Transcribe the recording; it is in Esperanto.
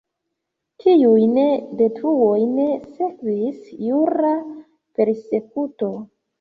Tiujn detruojn sekvis jura persekuto.